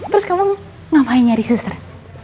terus kamu ngapain nyari suster